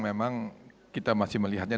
memang kita masih melihatnya